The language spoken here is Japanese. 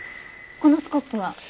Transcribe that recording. このスコップは？